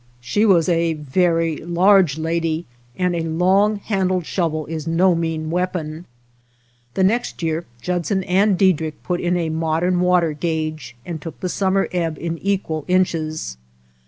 She was a very large lady, and a long handled shovel is no mean weapon. The next year Judson and Diedrick put in a modern water gauge and took the summer ebb in equal inches.